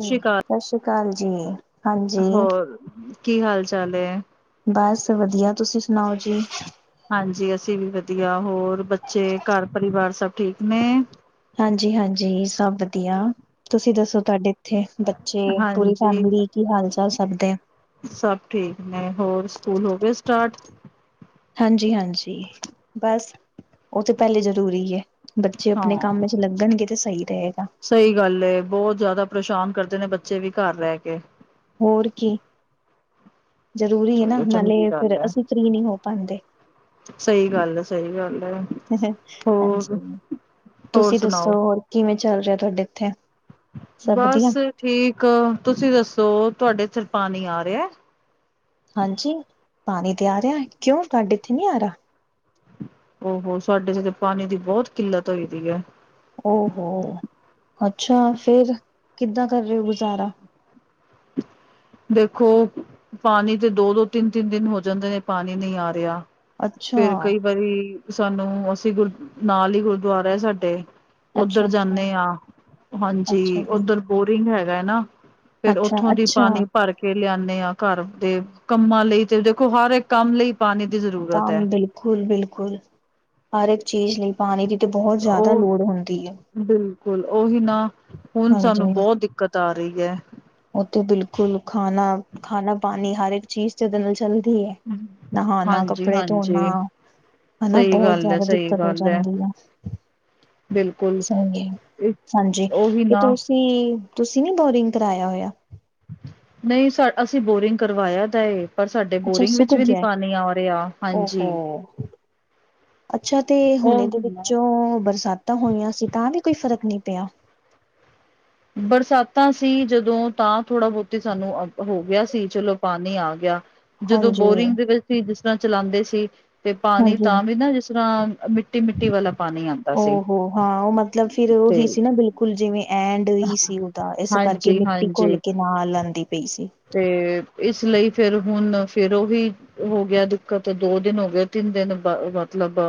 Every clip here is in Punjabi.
ਸਤਿ ਸ਼੍ਰੀ ਅਕਾਲ ਸਾਸ ਸ੍ਰੀ ਕਾਲ ਜੀ। ਹਾਂਜੀ ਹੋਰ ਕੀ ਹਾਲ-ਚਾਲ ਏ। ਬਸ ਵਧੀਆ ਤੁਸੀਂ ਸੁਣਾਓ ਜੀ। ਹਾਂਜੀ ਅਸੀਂ ਵੀ ਵਧੀਆ ਹੋਰ ਬੱਚੇ ਕਾੱਰ ਪਰਿਵਾਰ ਸਭ ਠੀਕ ਨੇ। ਹਾਂਜੀ-ਹਾਂਜੀ ਸਭ ਵਧੀਆ, ਤੁਸੀਂ ਦੱਸੋ ਤੁਆਡੇ ਓਥੇ ਬੱਚੇ ਪੂਰੀ ਹਾਂਜੀ ਫੈਮਿਲੀ ਕੀ ਹਾਲ-ਚਾਲ ਸਭ ਦੇ? ਸਭ ਠੀਕ ਨੇ ਹੋਰ ਸਕੂਲ ਹੋ ਗਏ ਸਟਾਰਟ? ਹਾਂਜੀ-ਹਾਂਜੀ, ਬਸ ਓ ਤੇ ਪੈਲੇ ਜ਼ਰੂਰੀ ਏ। ਬੱਚੇ ਅਪਣੇ ਕੰਮ ਵਿੱਚ ਲੱਗਣਗੇ ਤੇ ਸਈ ਰਏਗਾ। ਸਈ ਗੱਲ ਏ ਬੋਤ ਜਾਦਾ ਪ੍ਰੇਸ਼ਾਨ ਕਰਦੇ ਨੇ ਬੱਚੇ ਵੀ ਕਾੱਰ ਰੈ ਕੇ। ਹੋਰ ਕੀ। ਜ਼ਰੂਰੀ ਏ ਨਾ ਚਲੋ ਨਾਲੇ ਚੰਗੀ ਫੇਰ ਅਸੀਂ ਫਰੀ ਨੀ ਹੋ ਪਾਂਦੇ। ਸਈ ਗੱਲ ਐ-ਸਹੀ ਗੱਲ ਐ, ਹੋਰ ਹਾਂਜੀ। ਹੋਰ ਤੁਸੀਂ ਦੱਸੋ ਸੁਣਾਓ ਹੋਰ ਕਿਵੇਂ ਚੱਲ ਰੈਆ ਤੁਆਡੇ ਏਥੇ? ਬਸ ਠੀਕ, ਤੁਸੀਂ ਦੱਸੋ ਤੁਆਡੇ ਏਥੇ ਪਾਨੀ ਆ ਰੈਆ। ਹਾਂਜੀ, ਪਾਨੀ ਤੇ ਆ ਰੈਆ ਕਿਉਂ ਤੁਆਡੇ ਏਥੇ ਨਈ ਆ ਰਾ ਓ ਹੋ ਸਾਡੇ ਏਥੇ ਤੇ ਪਾਨੀ ਦੀ ਬੋਤ ਕਿੱਲਤ ਹੋਈ ਦੀ ਐ। ਓ ਹੋੋ, ਅੱਛਾ ਫੇਰ ਕਿੱਦਾਂ ਕਰ ਹੋ ਗੁਜ਼ਾਰਾ? ਦੇਖੋ ਪਾਨੀ ਤੇ ਦੋ-ਦੋ, ਤਿੰਨ-ਤਿੰਨ ਦਿਨ ਹੋ ਜਾਂਦੇ ਨੇ ਪਾਨੀ ਨੀ ਆ ਰੇਯਾ। ਅੱਛਾ ਫੇਰ ਕਈ ਵਾਰੀ ਸਾਨੂੰ ਅਸੀਂ ਗੁਰ ਨਾਲ ਹੀ ਗੁਰਦੁਆਰਾ ਏ ਸਾਡੇ। ਅੱਛਾ ਓਧਰ ਅੱਛਾ ਜਾਂਦੇ ਆ, ਅੱਛਾ ਹਾਂਜੀ ਜੀ ਓਧਰ ਬੋਰਿੰਗ ਹੈਗਾ ਐ ਨਾ। ਫੇਰ ਅੱਛਾ ਓਥੋਂ ਦੀ ਅੱਛਾ ਪਾਨੀ ਪਾਰ ਕੇ ਲਿਆਨੇ ਆ ਕਾੱਰ ਦੇ ਕੰਮਾਂ ਲਈ ਤੇ ਦੇਖੋ ਹਰ ਏਕ ਕੰਮ ਲਈ ਪਾਨੀ ਦੀ ਜ਼ਰੂ [unintelligible] ਬਿਲਕੁਲ ਬਿਲਕੁਲ ਹਰ ਇੱਕ ਜੀ ਜੀ ਪਾਣੀ ਦੀ ਤੇ ਬਹੁਤ ਜ਼ਿਆਦਾ ਉਹ ਲੋੜ ਹੁੰਦੀ ਹੈ ਬਿਲਕੁਲ ਉਹੀ ਨਾ ਹੁਣ ਹਾਂਜੀ ਸਾਨੂੰ ਬਹੁਤ ਦਿੱਕਤ ਆ ਰਹੀ ਹੈ ਉਹ ਤੇ ਬਿਲਕੁਲ ਖਾਣਾ ਖਾਣਾ ਪਾਣੀ ਹਰ ਇੱਕ ਚੀਜ਼ ਤੇ ਉਦੇ ਨਾਲ ਚਲਦੀ ਹੈ ਨਹਾਣਾ ਕੱਪੜੇ ਧੋਣਾ ਹਾਂਜੀ-ਹਾਂਜੀ ਹਨਾ ਸਹੀ ਬਹੁਤ ਗੱਲ ਹੈ, ਜ਼ਿਆਦਾ ਸਹੀ ਦਿੱਕਤ ਹੋ ਗੱਲ ਹੈ ਜਾਂਦੀ ਐ ਬਿਲਕੁਲ ਸਹੀ ਹੈ ਹਾਂਜੀ ਉਹੀ ਤੇ ਨਾ ਤੁਸ ਸੀ ਤੁਸੀ ਨੀ ਬੋਰਿੰਗ ਕਰਾਇਆ ਹੋਇਆ ਨਹੀਂ ਸਾ ਅਸੀਂ ਬੋਰਿੰਗ ਕਰਵਾਇਆ ਦਾ ਏ ਪਰ ਸਾਡੇ ਅੱਛਾ ਬੋਰਿੰਗ ਸੁੱਕ ਵਿੱਚ ਵੀ ਨੀ ਗਿਆ ਪਾਣੀ ਆ ਰਿਹਾ ਹਾਂਜੀ [unintelligible] ਅੱਛਾ ਤੇ ਹੁਣ ਉਹ ਇਦੇ ਵਿੱਚੋਂ ਬਰਸਾਤਾਂ ਹੋਈਆਂ ਸੀ ਤਾਂ ਵੀ ਕੋਈ ਫ਼ਰਕ ਨਹੀਂ ਪਿਆ ਬਰਸਾਤਾਂ ਸੀ ਜਦੋਂ ਤਾਂ ਥੋੜ੍ਹਾ ਬਹੁਤੀ ਸਾਨੂੰ ਅ ਹੋ ਗਿਆ ਸੀ ਚਲੋ ਪਾਣੀ ਆ ਗਿਆ ਜਦੋਂ ਹਾਂਜੀ, ਬੋਰਿੰਗ ਦੇ ਵਿੱਚ ਵੀ ਜਿਸ ਤਰ੍ਹਾਂ ਚਲਾਉਂਦੇ ਸੀ ਤੇ ਪਾਣੀ ਤਾਂ ਵੀ ਨਾ ਜਿਸ ਤਰ੍ਹਾਂ ਮਿੱਟੀ ਮਿੱਟੀ ਵਾਲਾ ਪਾਣੀ ਆਉਂਦਾ ਸੀ ਉਹ ਹੋ ਹਾਂ ਉਹ ਮਤਲਬ ਫਿਰ ਤੇ ਉਹੀ ਸੀ ਨਾ ਬਿਲ ਕੁਲ ਜਿਵੇਂ ਐਂਡ ਹੀ ਸੀ ਉਹਦਾ ਇਸ ਕਰਕੇ ਹਾਂਜੀ ਮਿੱਟੀ ਘੁਲ ਹਾਂਜੀ ਕੇ ਨਾਲ ਆਉਂਦੀ ਪਈ ਸੀ ਤੇ ਇਸ ਲਈ ਫਿਰ ਹੁਣ ਫਿਰ ਉਹੀ ਹੋ ਗਿਆ ਦਿੱਕਤ ਦੋ ਦਿਨ ਹੋ ਗਏ ਤਿੰਨ ਦਿਨ ਬ ਮਤਲਬ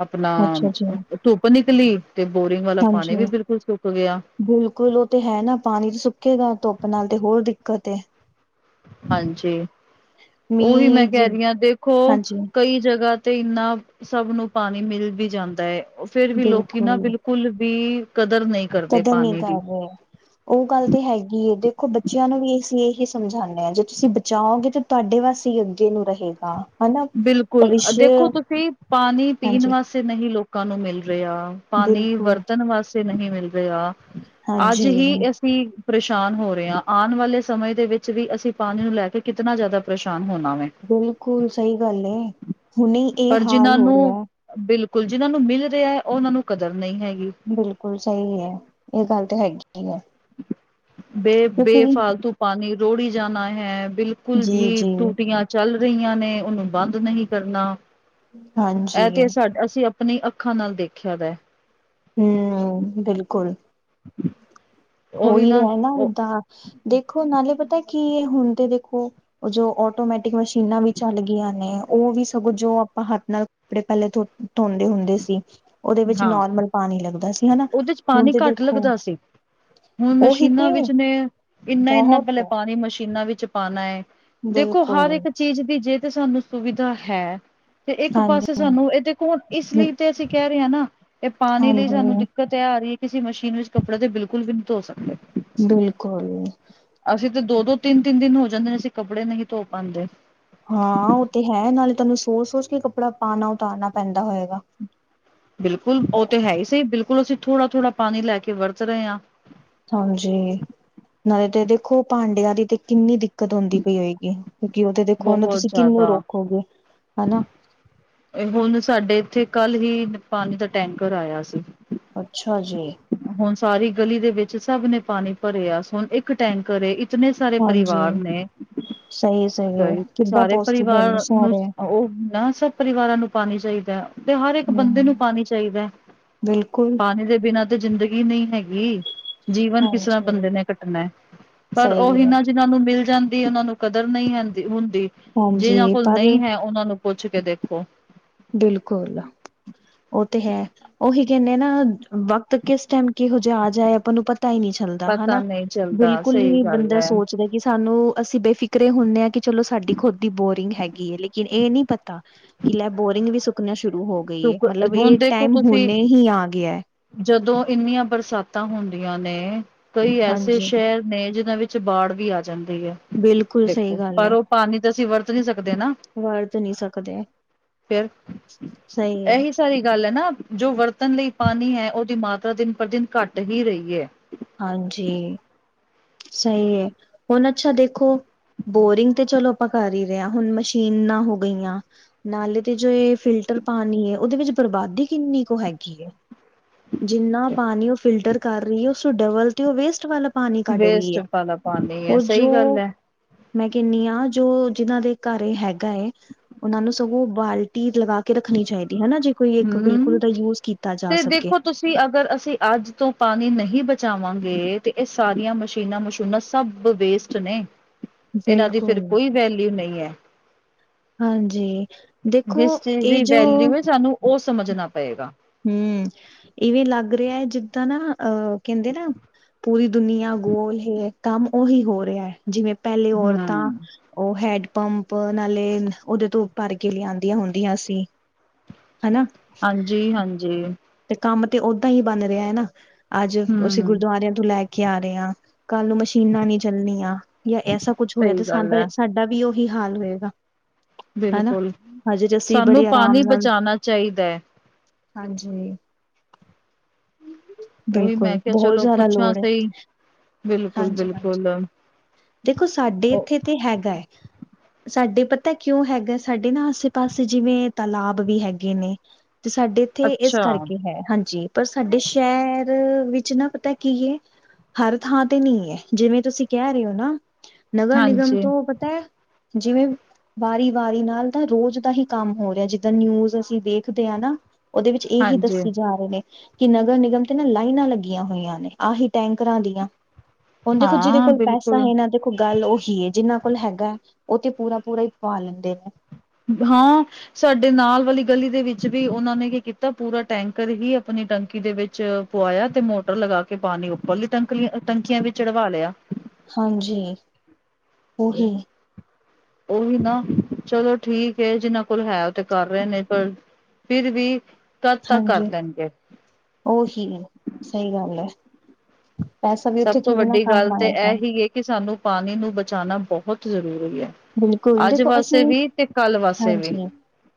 ਆਪਣਾ ਅੱਛਾ ਜੀ, ਧੁੱਪ ਨਿੱਕਲੀ ਤੇ ਬੋਰਿੰਗ ਵਾਲਾ ਪਾਣੀ ਹਾਂਜੀ। ਵੀ ਬਿਲਕੁਲ ਸੁੱਕ ਗਿਆ ਬਿਲਕੁਲ ਉਹ ਤੇ ਹੈ ਨਾ ਪਾਣੀ ਚ ਸੁੱਕੇਗਾ ਧੁੱਪ ਨਾਲ ਤੇ ਹੋਰ ਦਿੱਕਤ ਏ ਹਾਂਜੀ ਉਹੀ ਮੈਂ ਮੀਂਹ ਜ ਕਹਿ ਰਹੀ ਆਂ ਦੇਖੋ ਹਾਂਜੀ ਕਈ ਜਗ੍ਹਾ ਤੇ ਇਹਨਾ ਸਭ ਨੂੰ ਪਾਣੀ ਮਿਲ ਵੀ ਜਾਂਦਾ ਏ ਫਿਰ ਵੀ ਲੋਕੀ ਨਾ ਬਿਲਕੁਲ ਵੀ ਕਦਰ ਨਹੀਂ ਕਰਦੇ ਕਦਰ ਨੀ ਪਾਣੀ ਦੀ ਕਰ ਰਹੇ ਉਹ ਗੱਲ ਤੇ ਹੈਗੀ ਏ ਦੇਖੋ ਬੱਚਿਆਂ ਨੂੰ ਵੀ ਅਸੀਂ ਇਹ ਹੀ ਸਮਝਾਉਣੇ ਹਾਂ ਜੇ ਤੁਸੀਂ ਬਚਾਓਗੇ ਤਾਂ ਤੁਹਾਡੇ [unintelligible] ਅੱਗੇੇ ਨੂੰ ਰਹੇਗਾ ਹਨਾ ਬਿਲਕੁਲ ਅ ਭਵਿਸ਼ ਦੇਖੋ ਤੁਸੀਂ ਪਾਣੀ ਪੀਣ ਹਾਂਜੀ ਵਾਸ ਸੇ ਨਹੀਂ ਲੋਕਾਂ ਨੂੰ ਮਿਲ ਰਿਹਾ ਪਾਣੀ ਬਿਲਕੁਲ ਵਰਤਣ ਵਾਸਤੇ ਨਹੀਂ ਮਿਲ ਰਿਹਾ ਅੱਜ ਹਾਂਜੀ ਹੀ ਇਸ ਸੀ ਪ੍ਰੇਸ਼ਾਨ ਹੋ ਰਹੇ ਹਾਂ ਆਉਣ ਵਾਲੇ ਸਮੇਂ ਦੇ ਵਿੱਚ ਵੀ ਅਸੀਂ ਪਾਣੀ ਨੂੰ ਲੈ ਕੇ ਕਿੰਤਨਾ ਜ਼ਿਆਦਾ ਪ੍ਰੇਸ਼ਾਨ ਹੋਣਾ ਵੇ ਬਿਲਕੁਲ ਸਹੀ ਗੱਲ ਏ ਹੁਣੇ ਇਹ ਪਰ ਹਾਲ ਜਿਨਾਂ ਹੋ ਨੂੰ ਰਿਹਾ ਬਿਲਕੁਲ ਜਿੰਨਾਂ ਨੂੰ ਮਿਲ ਰਿਹਾ ਉਹਨਾਂ ਨੂੰ ਕਦਰ ਨਹੀਂ ਹੈਗੀ ਬਿਲਕੁਲ ਸਹੀ ਹੈ ਇਹ ਗੱਲ ਤਾਂ ਹੈਗੀ ਹੈ ਬੇ ਕਿਉਂਕਿ ਬੇਫਾਲਤੂ ਪਾਣੀ ਰੋੜੀ ਜਾਣਾ ਹੈ ਬਿਲ ਕੁਲ ਜੀ ਬੀ ਜੀ ਟੂਟੀਆਂ ਚੱਲ ਰਹੀਆਂ ਨੇ ਉਹਨੂੰ ਬੰਦ ਨਹੀਂ ਕਰਨਾ ਹਾਂਜੀ ਇਹ ਤੇ ਸਾਡ ਅਸੀ ਆਪਣੀ ਅੱਖਾਂ ਨਾਲ ਦੇਖਿਆ ਦਾ ਹੈ ਹਮ ਬਿਲਕੁਲ [inaudible] ਹੋ ਉਹੀ ਹੀ ਰਿਹਾ ਨਾ ਉਹ ਓਦਾਂ ਦੇਖੋ ਨਾਲੇ ਪਤਾ ਕੀ ਏ ਹੁਣ ਤੇ ਦੇਖੋ ਉਹ ਜੋ ਔਟੋਮੈਟਿਕ ਮਸ਼ੀਨਾਂ ਵੀ ਚੱਲ ਗਈਆਂ ਨੇ ਉਹ ਵੀ ਸਗੋਂ ਜੋ ਆਪਾਂ ਹੱਥ ਨਾਲ ਕੱਪੜੇ ਪਹਿਲੇ ਧੋ ਧੋਂਦੇ ਹੁੰਦੇ ਸੀ ਉਹਦੇ ਵਿੱਚ ਹਾਂ ਨੋਰਮਲ ਪਾਣੀ ਲੱਗਦਾ ਸੀ ਹੀ ਹਨਾ ਉਹਦੇ ਚ ਹੁਣ ਪਾਣੀ ਤੇ ਘੱਟ ਦੇਖੋ ਲੱਗਦਾ ਸੀ ਹੁਣ ਉਹੀ ਮਸ਼ੀਨਾਂ ਤੇ ਵਿੱਚ ਨੇ ਇੰਨਾ ਇੰਨਾ ਬਹੁਤ ਪਹਿਲੇ ਪਾਣੀ ਮਸ਼ੀਨਾਂ ਵਿੱਚ ਪਾਉਣਾ ਹੈ ਦੇਖੋ ਬਿਲਕੁਲ ਹਰ ਇੱਕ ਚੀਜ ਦੀ ਜੇ ਤੇ ਸਾਨੂੰ ਸੁਵਿਧਾ ਹੈ ਤੇ ਇੱਕ ਪਾਸੇ ਹਾਂਜੀ ਸਾਨੂੰ ਇਹ ਦੇਖੋ ਇਸ ਲਈ ਤੇ ਅਸੀਂ ਕਹਿ ਰਹੇ ਹਾਂ ਨਾ ਇਹ ਪਾਣੀ ਲਈ ਸਾਨੂੰ ਦਿ ਹਾਂਜੀ ਦਿੱਕਤ ਤਾਂ ਐਹ ਆ ਰਹੀ, ਕਿਸੀ ਮਸ਼ੀਨ ਵਿੱਚ ਕੱਪੜੇ ਤੇ ਬਿਲਕੁਲ ਵੀ ਨੀ ਧੋ ਸਕਦੇ। ਬਿਲਕੁਲ। ਅਸੀਂ ਤਾਂ ਦੋ- ਦੋ, ਤਿੰਨ- ਤਿੰਨ ਦਿਨ ਹੋ ਜਾਂਦੇ ਨੇ, ਅਸੀਂ ਕੱਪੜੇ ਨਹੀਂ ਧੋ ਪਾਂਦੇ। ਹਾਂ ਉਹ ਤੇ ਹੈ, ਨਾਲੇ ਤਾਨੂੰ ਸੋਚ- ਸੋਚ ਕੇ ਕੱਪੜਾ ਪਾਨਾ ਉਤਾਰਨਾ ਪੈਂਦਾ ਹੋਏਗਾ। ਬਿਲਕੁਲ ਉਹ ਤਾਂ ਹੈ ਹੀ ਸਹੀ, ਬਿਲਕੁਲ ਅਸੀਂ ਥੋੜਾ- ਥੋੜਾ ਪਾਨੀ ਲੈ ਕੇ ਵਰਤ ਰਹੇ ਆਂ। ਹਾਂਜੀ, ਨਾਲੇ ਤੇ ਦੇਖੋ ਭਾਂਡਿਆਂ ਦੀ ਕਿੰਨੀ ਦਿੱਕਤ ਹੁੰਦੀ ਪਈ ਹੋਏਗੀ। ਕਿਉੰਕਿ ਦੇਖੋ ਹੁਣ ਬਹੁਤ ਤੁਸੀਂ ਕਿੰਨੂੰ ਜ਼ਿਆਦਾ। ਰੋਕੋਗੇ ਹਨਾ। ਹੁਣ ਸਾਡੇ ਇੱਥੇ ਕੱਲ ਹੀ, ਪਾਨੀ ਦਾ ਟੈਂਕਰ ਆਇਆ ਸੀ। ਅੱਛਾ ਜੀ। ਹੁਣ ਸਾਰੀ ਗਲੀ ਦੇ ਵਿੱਚ ਸਭ ਨੇ ਪਾਣੀ ਭਰਿਆ, ਸੁਣ ਇੱਕ ਟੈਂਕਰ ਏ ਇਕ ਇਤਨੇ ਸਾਰੇ ਹਾਂਜੀ ਪਰਿਵਾਰ ਨੇ ਸਹੀ ਸਹੀ ਨਮਸਕਾਰ ਹੈ ਜੀ, ਕਿੱਦਾਂ ਸਾਰੇ ਪੋਸੀਬਲ ਪਰਿਵਾਰ ਨੂੰ ਸਾਰੇ ਉਹ ਨਾ ਸਭ ਪਰਿਵਾਰਾਂ ਨੂੰ ਪਾਨੀ ਚਾਹੀਦਾ, ਤੇ ਹਰ ਇੱਕ ਬੰਦੇ ਹਮ ਨੂੰ ਪਾਨੀ ਚਾਹੀਦਾ, ਬਿਲਕੁਲ ਪਾਣੀ ਦੇ ਬਿਨਾਂ ਜ਼ਿੰਦਗੀ ਨਹੀਂ ਹੈਗੀ, ਜੀਵਨ ਕਿਸ ਤਰਾਂ ਬੰਦੇ ਹਾਂਜੀ। ਨੇ ਕੱਟਣਾ, ਪਰ ਸਹੀ ਉਹੀ ਹੈ ਨਾ ਜਿਹਨਾਂ ਨੂੰ ਮਿਲ ਜਾਂਦੀ ਉਹਨਾਂ ਨੂੰ ਕਦਰ ਨਹੀਂ ਹੁਦੀ, ਹੁੰਦੀ ਹਾਂਜੀ ਜਿਨਾਂ ਕੋਲ ਪਰ ਨਹੀਂ ਹੈ ਉਹਨਾਂ ਨੂੰ ਪੁੱਛ ਕੇ ਦੇਖੋ ਬਿਲਕੁਲ, ਉਹ ਤੇ ਹੈ, ਉਹੀ ਕਹਿੰਦੇ ਨਾ ਵਕਤ ਕਿਸ ਟੈਮ ਕਿਹੋ ਜਿਹਾ ਆ ਜਾਏ, ਆਪਾਂ ਨੂੰ ਪਤਾ ਹੀ ਨਹੀ ਚੱਲਦਾ, ਪਤਾ ਹਨਾ ਨਹੀਂ ਚੱਲਦਾ ਬਿਲਕੁਲ ਹੀ ਸਹੀ ਨੀ ਗੱਲ ਬੰਦਾ ਹੈ ਸੋਚਦਾ ਕਿ ਸਾਨੂੰ ਅਸੀ ਬੇ ਫਿਕਰੇ ਹੁੰਦੇ ਐ ਕਿ ਚਲੋ ਸਾਡੀ ਖੁਦ ਦੀ ਬੋਰਿੰਗ ਹੈਗੀ ਏ ਲੇਕਿਨ ਇਹ ਨੀ ਪਤਾ ਕਿ ਲੈ ਇੰਨ ਵੀ ਸੁੱਕਣਾ ਸ਼ੁਰੂ ਹੋ ਗਈ ਸੁ ਏ, ਮਤਲਬ ਹੁਣ ਇਹ ਦੇਖੋ ਟੈਮ ਤੁਸੀਂ ਹੁਣੇ ਹੀ ਆ ਗਿਆ। ਜਦੋਂ ਇੰਨੀਆਂ ਬਰਸਾਤਾਂ ਹੁੰਦੀਆਂ ਨੇ, ਕਈ ਐਸੇ ਹਾਂਜੀ ਸ਼ਹਿਰ ਨੇ ਜਿੰਨਾ ਵਿੱਚ 'ਚ ਬਾੜ ਵੀ ਆ ਜਾਂਦੀ ਐ ਬਿਲਕੁਲ ਸਹੀ ਦੇਖੋ, ਗੱਲ ਪਰ ਹੈ ਉਹ ਪਾਣੀ ਤਾਂ ਅਸੀਂ ਵਰਤ ਨੀ ਸਕਦੇ ਨਾ ਵਰਤ ਨੀ ਸਕਦੇ ਸਹੀ ਹੈ ਐਹੀ ਸਾਰੀ ਗੱਲ ਹੈ ਨਾ, ਜੋ ਵਰਤਣ ਲਈ ਪਾਣੀ ਹੈ, ਉਹ ਦੀ ਮਾਤਰਾ ਦਿਨ ਪਰ ਦਿਨ ਘੱਟ ਹੀ ਰਹੀ ਐ ਹਾਂਜੀ, ਸਹੀ ਐ, ਹੁਣ ਅੱਛਾ ਦੇਖੋ ਬੋਰਿੰਗ ਤੇ ਚਲੋ ਆਪਾਂ ਕਰ ਹੀ ਰਹੇ ਆਂ, ਹੁਣ ਮਸ਼ੀਨਾਂ ਹੋ ਗਈਆਂ ਨਾਲੇ ਤੇ ਜੋ ਇਹ ਫਿਲਟਰ ਪਾਨੀ ਏ, ਉਹਦੇ 'ਚ ਬਰਬਾਦੀ ਕਿੰਨੀ ਕੁ ਹੈਗੀ ਏ ਜਿੰਨਾ ਪਾਣੀ ਉਹ ਫਿਲਟਰ ਕਰ ਰਹੀ ਏ, ਉਸਨੂੰ ਡਬਲ ਤੇ ਉਹ ਵੇਸਟ ਵਾਲਾ ਪਾਨੀ ਕੱਢ ਰਹੀ ਵੇਸਟ ਹੈ, ਵਾਲਾ ਪਾਣੀ ਹੈ ਉਹ ਜੋ ਸਹੀ ਗੱਲ ਹੈ ਮੈਂ ਕਹਿਣੀ ਆ, ਜੋ ਜਿਨਾਂ ਦੇ ਘਰੇ ਹੈਗਾ ਏ ਉਹਨਾਂ ਨੂੰ ਸਗੋਂ ਬਾਲਟੀ, ਦਵਾਂ ਕੇ ਰੱਖਣੀ ਚਾਈਦੀ ਹਨਾ, ਜੇ ਕੋਈ ਇੱਕ ਬਿਲਕੁਲ ਉਹਦਾ ਯੂਜ ਕੀਤਾ ਜਾ ਸਕੇ ਅਸੀ ਅਗਰ ਅਸੀਂ ਅੱਜ ਤੋਂ ਪਾਣੀ ਨਹੀਂ ਬਚਾਵਾਂਗੇ ਤੇ ਇਹ ਸਾਰੀਆਂ ਮਸ਼ੀਨਾਂ ਮਸ਼ੂਨਾਂ ਸਭ ਵੇਸ ਸੁਣੇ, ਇਹਨਾਂ ਦੀ ਫੇਰ ਬਿਲਕੁਲ ਕੋਈ ਵੈਲਿਊ ਨਹੀ ਹੈ ਹਾਂਜੀ ਦੇਖੋ ਜਿਸ ਚੀਜ਼ ਇਹ ਦੀ ਜੋ ਵੈਲਿਊ ਏ, ਸਾਨੂੰ ਉਹ ਸਮਝਣਾ ਪਏਗਾ ਹਮ, ਇਵੇਂ ਲੱਗ ਰਿਹਾ ਜਿੰ ਤਾਂ ਨਾ, ਅ ਕਹਿੰਦੇ ਨਾ ਪੂਰੀ ਦੁਨੀਆਂ ਗੋਲ ਹੈ ਕੰਮ ਉਹੀ ਹੋ ਰਿਹਾ ਜਿਵੇਂ ਪਹਿਲੇ ਔਰਤਾਂ ਹੂੰ, ਉਹ ਹੈਡਪੰਪ, ਨਾਲੇ ਉਹਦੇ ਤੋਂ ਭਰ ਕੇ ਲਿਆਂਦੀਆਂ ਹੁੰਦੀਆਂ ਸੀ ਹਨਾ ਹਾਂਜੀ- ਹਾਂਜੀ ਤੇ ਕੰਮ ਤੇ ਓਦਾਂ ਹੀ ਬਣ ਰਿਹਾ ਏ ਨਾ, ਅੱਜ ਅਸੀਂ ਹੂੰ, ਗੁਰਦੁਆਰਿਆਂ ਤੋਂ ਲੈ ਕੇ ਆ ਰਹੇ ਆ ਕੱਲ ਨੂੰ ਮਸ਼ੀਨਾਂ ਨੀ ਚੱਲਣੀਆਂ ਜਾਂ ਐਸਾ ਕੁੱਛ ਹੋਇਆ ਸਹੀ ਤੇ ਸਾ ਗੱਲ ਐ। ਸਾਡੇ ਉਹਦਾ ਵੀ ਉਹੀ ਹਾਲ ਰਹੇਗਾ ਹਨਾ ਬਿਲਕੁਲ, ਹਜੇ ਅਸੀਂ ਸਾਨੂੰ ਬੜੇ ਆਰਾਮ ਪਾਣੀ ਨਾਲ ਬਚਾਣਾ ਚਾਹੀਦਾ ਐ। ਹਾਂਜੀ ਉਹੀ ਮੈਂ ਬਿਲਕੁਲ ਕਿਹਾ ਬਹੁਤ ਚਲੋ ਜ਼ਿਆਦਾ ਪੁੱਛਾਂ ਲੋੜ ਏ ਸਹੀ, ਹਾਂਜੀ ਬਿਲਕੁਲ-ਬਿਲਕੁਲ। ਹਾਂਜੀ ਦੇਖੋ ਸਾਡੇ ਉਹ ਇੱਥੇ ਤੇ ਹੈਗਾ ਸਾਡੇ ਪਤਾ ਕਿਉਂ ਹੈਗਾ ਸਾਡੇ ਨਾ ਆਸੇ ਪਾਸੇ ਜਿਵੇਂ ਤਾਲਬ ਵੀ ਹੈਗੇ ਨੇ ਸਾਡੇ ਇੱਥੇ ਇਸ ਅੱਛਾ, ਕਰ ਹੈ ਹਾਂਜੀ ਪਰ ਸਾਡੇ ਸ਼ਹਿਰ ਵਿੱਚ ਨਾ ਪਤਾ ਕੀ ਐ ਹਰ ਥਾਂ ਤੇ ਨਹੀਂ ਹੈ ਜਿਵੇਂ ਤੁਸੀਂ ਕਹਿ ਰਹੇ ਹੋ ਨਾ ਨਗਰ ਨਿਗਮ ਤੋਂ ਹਾਂਜੀ-ਹਾਂਜੀ, ਪਤਾ ਜਿਵੇਂ ਵਾਰੀ ਵਾਰੀ ਨਾਲ ਤਾਂ ਰੋਜ਼ ਦਾ ਹੀ ਕੰਮ ਹੋ ਰਿਹਾ ਹੈ ਜਿੱਦਾਂ ਨਿਊਜ਼ ਅਸੀਂ ਦੇਖਦੇ ਹਾਂ ਨਾ ਉਹਦੇ ਵਿੱਚ ਇਹੀ ਦੱਸ ਆ ਰਹੇ ਨੇ ਕਿ ਨਗਰ ਨਿਗਮ ਤੇ ਨਾ ਲਾਈਨਾਂ ਲੱਗੀਆਂ ਹੋਈਆਂ ਨੇ ਆਹੀ ਟੈਂਕਰਾਂ ਦੀਆਂ ਹੁਣ ਦੇਖੋ ਜਿਹਦੇ ਹਾਂ ਕੋਲ ਪੈਸਾ ਬਿਲਕੁਲ, ਏ ਨਾ ਦੇਖੋ ਗੱਲ ਉਹੀ ਏ ਜਿੰਨਾਂ ਕੋਲ ਹੈਗਾ ਉਹ ਤੇ ਪੂਰਾ ਪੂਰਾ ਹੀ ਪਾ ਲੈਂਦੇ ਨੇ ਬਾਂ ਸਾਡੇ ਨਾਲ ਵਾਲੀ ਗਲੀ ਦੇ ਵਿੱਚ ਵੀ ਉਹਨਾਂ ਨੇ ਕੀ ਕੀਤਾ ਪੂਰਾ ਟੈਂਕਰ ਹੀ ਆਪਣੀ ਟੰਕੀ ਦੇ ਵਿੱਚ ਪਵਾਇਆ ਤੇ ਮੋਟਰ ਲਗਾ ਕੇ ਪਾਣੀ ਉੱਪਰਲੀ ਟੰਕਲੀ ਟੰਕੀਆਂ ਵਿੱਚ ਚੜਵਾ ਲਿਆ ਹਾਂਜੀ ਉਹੀ ਉਹੀ ਨਾ ਚਲੋ ਠੀਕ ਏ ਜਿਨਾਂ ਕੋਲ ਹੈ ਉਹ ਤੇ ਕਰ ਰਹੇ ਨੇ ਪਰ ਫਿਰ ਵੀ ਕੱਦ ਤੱਕ ਕਰ ਹਾਂਜੀ ਲੈਣਗੇ ਉਹੀ ਸਹੀ ਗੱਲ ਐ ਸਭ ਤੋਂ ਵੱਡੀ ਕੰਮ ਗੱਲ ਤੇ ਇਹ ਆਏਗਾ ਹੀ ਏ ਕਿ ਸਾਨੂੰ ਪਾਣੀ ਨੂੰ ਬਚਾਉਣਾ ਬਹੁਤ ਜ਼ਰੂਰੀ ਹੈ। ਬਿਲਕੁਲ ਅੱਜ ਦੇਖੋ ਵਾਸੇ ਅਸੀਂ ਵੀ ਤੇ ਕੱਲ ਵਾਸੇ ਵੀ। ਹਾਂਜੀ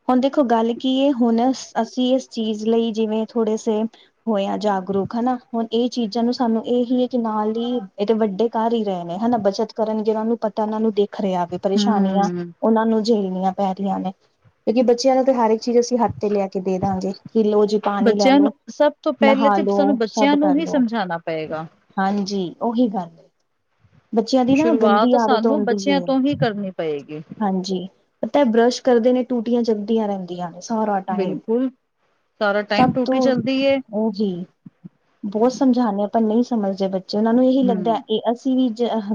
ਹੁਣ ਦੇਖੋ ਗੱਲ ਕੀ ਹੈ? ਹੁਣ ਅਸੀਂ ਇਸ ਚੀਜ਼ ਲਈ ਜਿਵੇਂ ਥੋੜੇ ਸੇ ਹੋਇਆ ਜਾਗਰੂਕ ਹਨਾ ਹੁਣ ਇਹ ਚੀਜ਼ਾਂ ਨੂੰ ਸਾਨੂੰ ਇਹੀ ਹੈ ਕਿ ਨਾਲ ਹੀ ਇਹਦੇ ਵੱਡੇ ਕਰ ਹੀ ਰਹੇ ਨੇ ਹਨਾ ਬੱਚਤ ਕਰਨ ਜਿਨਾਂ ਨੂੰ ਪਤਾ ਉਹਨਾਂ ਨੂੰ ਦੇਖ ਰਿਹਾ ਵੇ ਪ੍ਰੇਸ਼ਾਨੀਆਂ ਹੂੰ। ਉਹਨਾਂ ਨੂੰ ਝੇਲਣੀਆਂ ਪੈ ਰਹੀਆਂ ਨੇ ਕਿਉਂਕਿ ਬੱਚਿਆਂ ਦਾ ਹਰ ਇੱਕ ਚੀਜ਼ ਅਸੀਂ ਹੱਥ ਤੇ ਲੈ ਕੇ ਦੇ ਦੇਂਦਾ ਲੋ ਜੀ ਪਾਣੀ ਲੈ ਬੱਚਿਆਂ ਲੋ ਨੂੰ ਸਭ ਤੋਂ ਪਹਿਲੇ ਨਹਾ ਤੇ ਲੋ ਸਾਨੂੰ ਸਭ ਬੱਚਿਆਂ ਨੂੰ ਕਰ ਵੀ ਲੋ ਸਮਝਾਉਣਾ ਪਏਗਾ। ਹਾਂਜੀ ਉਹੀ ਗੱਲ ਐ ਬੱਚਿਆਂ ਦੀ ਨਾ ਗੰਦੀ ਸ਼ੁਰੂਆਤ ਆਦਤ ਸਾਨੂੰ ਆਉਂਦੀ ਬੱਚਿਆਂ ਤੋਂ ਹੀ ਕਰਨੀ ਪਏਗੀ। ਹਾਂਜੀ ਪਤਾ ਇਹ ਬਰਸ਼ ਕਰਦੇ ਨੇ ਟੂਟੀਆਂ ਚੱਲਦੀਆਂ ਰਹਿੰਦੀਆਂ ਨੇ। ਸਾਰਾ ਟਾਈਮ ਬਿਲਕੁਲ। ਸਾਰਾ ਸਭ ਟਾਈਮ ਤੋਂ ਟੂਟੀ ਚੱਲਦੀ ਏ। ਉਹੀ ਬਹੁਤ ਸਮਝਾਣਾ ਆਪਾਂ ਨਹੀਂ ਸਮਝਦੇ ਬੱਚੇ ਉਹਨਾਂ ਨੂੰ ਇਹੀ ਲੱਗਦਾ ਹੂੰ, ਇਹ ਅਸੀਂ ਵੀ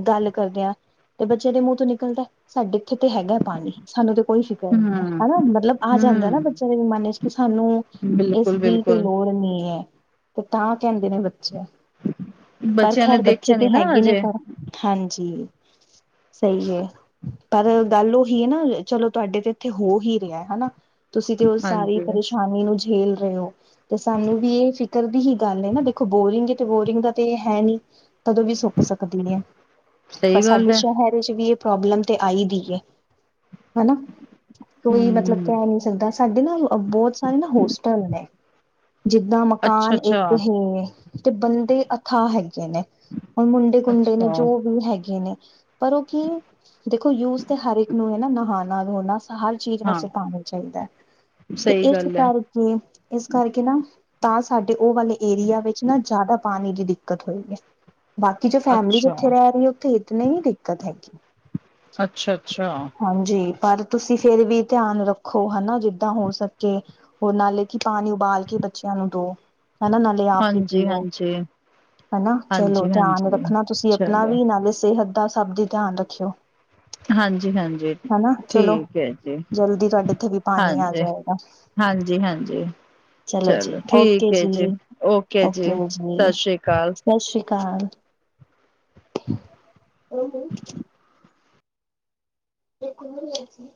ਗੱਲ ਕਰਦੇ ਹਾਂ ਤੇ ਬੱਚੇ ਦੇ ਮੂੰਹ ਤੋਂ ਨਿਕਲਦਾ ਸਾਡੇ ਇੱਥੇ ਤੇ ਹੈਗਾ ਪਾਣੀ ਸਾਨੂੰ ਤੇ ਕੋਈ ਸ਼ਿਕਾਇਤ ਨਹੀਂ ਹੈ ਹੂੰ, ਹਨਾ ਮਤਲਬ ਆ ਜਾਂਦਾ ਨਾ ਹੂੰ। ਬੱਚਿਆਂ ਦੇ ਮਨੇ ਚ ਕਿ ਸਾਨੂੰ ਇਸ ਦੀ ਕੋਈ ਬਿਲਕੁਲ-ਬਿਲਕੁਲ ਲੋੜ ਨਹੀਂ ਹੈ। ਤੇ ਤਾਂ ਕਹਿੰਦੇ ਨੇ ਬੱਚੇ ਪਰ ਬੱਚਿਆਂ ਨੇ ਖੈਰ ਬੱਚੇ ਦੇਖਿਆ ਨੀ ਤਾਂ ਨਾ ਹੈਗੇ ਨੇ ਅਜੇ ਪਰ ਹਾਂਜੀ ਸਹੀ ਹੈ। ਪਰ ਗੱਲ ਉਹੀ ਹੈ ਨਾ, ਚਲੋ ਤੁਹਾਡੇ ਤੇ ਇੱਥੇ ਹੋ ਹੀ ਰਿਹਾ ਹਨਾ ਤੁਸੀਂ ਤੇ ਉਹ ਸਾਰੀ ਹਾਂਜੀ ਪਰੇਸ਼ਾਨੀ ਨੂੰ ਝੇਲ ਰਹੇ ਹੋ ਤੇ ਸਾਨੂੰ ਵੀ ਇਹ ਫਿਕਰ ਦੀ ਹੀ ਗੱਲ ਹੈ ਨਾ ਦੇਖੋ ਬੋਰਿੰਗ ਤੇ ਬੋਰਿੰਗ ਦਾ ਤੇ ਇਹ ਹੈ ਨਹੀਂ ਕਦੋਂ ਵੀ ਸੁੱਕ ਸਕਦੀ ਹੈ। ਪਰ ਸਹੀ ਗੱਲ ਸਾਡੇ ਹੈ ਸ਼ਹਿਰ ਕੁਛ ਵੀ ਏ ਪ੍ਰੋਬਲਮ ਤੇ ਆਈ ਦੀ ਏ, ਹੈਨਾ। ਕੋਈ ਮਤਲਬ ਹਮ ਕੈ ਨੀਂ ਸਕਦਾ, ਸਾਡੇ ਨਾ ਬੋਤ ਸਾਰੇ ਨਾ ਹੋਸਟਲ ਨੇ। ਜਿੱਦਾਂ ਅੱਛਾ ਮਕਾਨ ਏਕ ਅੱਛਾ ਹੇ, ਤੇ ਬੰਦੇ ਅਥਾਹ ਹੈਗੀਆ ਨੇ। ਹੁਣ‌ ਮੁੰਡੇ ਕੁੰਡੇ ਨੇ ਅੱਛਾ ਜੋ ਵੀ ਹੈਗੇ ਨੇ ਪਰ ਓ ਕੀ ਦੇਖੋ, ਯੂਜ ਤੇ ਹਰ ਇੱਕ ਨੂੰ ਏਨਾ ਨਹਾਣਾ, ਧੋਣਾ ਹਰ ਚੀਜ ਹਾਂ ਵਾਸਤੇ ਪਾਣੀ ਚਾਹੀਦੈ, ਤੇ ਸਹੀ ਇਸ ਗੱਲ ਹੈ ਕਰ ਤੇ ਇਸ ਕਰਕੇ ਨਾ ਤਾਂ ਸਾਡੇ ਓ ਵਾਲੇ ਏਰੀਆ ਵਿੱਚ ਨਾ ਜਾਦਾ ਪਾਣੀ ਦੀ ਦਿੱ ਕਤ ਹੋਈ ਏ ਬਾਕੀ ਜੋ ਫੈਮਲੀ ਅੱਛਾ ਜਿੱਥੇ ਰੈ ਰੀਏ ਓਥੇ ਇਤਨੀ ਹੀ ਦਿੱਕਤ ਹੈਗੀ। ਅੱਛਾ-ਅੱਛਾ। ਹਾਂਜੀ, ਪਰ ਤੁਸੀਂ ਫੇਰ ਵੀ ਧਿਆਨ ਰੱਖੋ ਹੈਨਾ, ਜਿੱਦਾਂ ਹੋ ਸਕੇ। ਹੋਰ ਨਾਲੇ ਕਿ ਪਾਣੀ ਉਬਾਲ ਕੇ ਬੱਚਿਆਂ ਨੂੰ ਦੋ ਹੈਨਾ, ਨਾਲੇ ਆਪ ਵੀ ਹਾਂਜੀ ਪੀਓ। ਹਾਂਜੀ ਹਨਾ ਚਲੋ, ਹਾਂਜੀ ਧਿਆਨ ਹਾਂਜੀ ਰੱਖਣਾ ਤੁਸੀਂ ਆਪਣਾ ਚਲੋ ਵੀ ਨਾਲੇ ਸੇਹਤ ਤਾ ਸਭ ਦੀ ਧਿਆਨ ਰੱਖਿਓ। ਹਾਂਜੀ ਹਾਂਜੀ ਹੈਨਾ ਚਲੋ, ਠੀਕ ਹੈ ਜੀ ਜਲਦੀ ਤੁਆਡੇ ਏਥੇ ਵੀ ਪਾਣੀ ਆ ਜਾਏਗਾ। ਹਾਂਜੀ-ਹਾਂਜੀ, ਜੀ ਚਲੋ ਓਕੇ ਠੀਕ ਐਜੀ ਜੀ ਓ ਕੇ ਜੀ, ਸਤਿ ਸ੍ਰੀ ਅਕਾਲ। ਸਤਿ ਸ਼੍ਰੀ ਅਕਾਲ। ਐ ਖੂਲ੍ਹਾਂ ਹੈ ਜੀ।